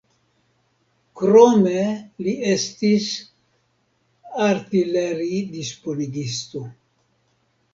Krome li estis artileridisponigisto.